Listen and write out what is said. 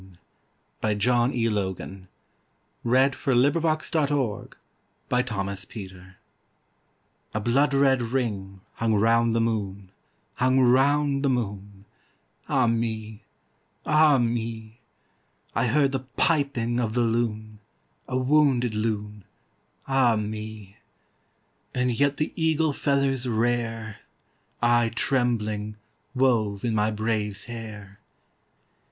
1895. John E. Logan b. 1852 A Blood Red Ring Hung round the Moon A BLOOD RED ring hung round the moon, Hung round the moon. Ah me! Ah me!I heard the piping of the Loon,A wounded Loon. Ah me! And yet the eagle feathers rare,I, trembling, wove in my brave's hair.